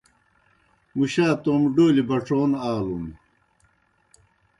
مُشا تومیْ ڈولیْ بڇَون آلُن۔